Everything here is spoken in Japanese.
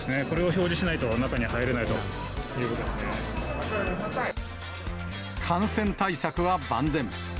これを表示しないと、中に入れな感染対策は万全。